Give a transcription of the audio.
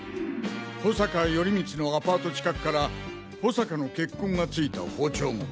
保坂頼光のアパート近くから保坂の血痕が付いた包丁も。